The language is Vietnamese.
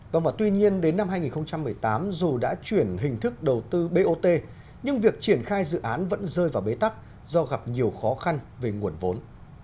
và tuy nhiên đến năm hai nghìn một mươi tám dù đã chuyển hình thức đầu tư bot nhưng việc triển khai dự án vẫn rơi vào bế tắc do gặp nhiều khó khăn về nguồn vốn